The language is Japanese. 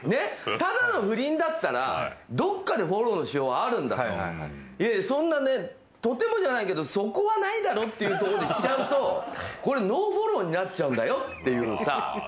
ただの不倫だったらどこかでフォローしようがあるんだけどそんなとてもじゃないけどそこはないだろうってところでしちゃうと、これノーフォローになっちゃうんだよっていうさ。